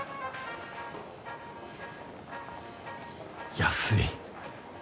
安い。